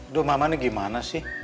duh mamanya gimana sih